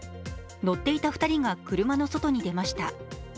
乗っていた２人が車の外に出ました